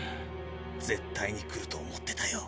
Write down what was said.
絶対に来ると思ってたよ